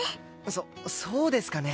そそうですかね？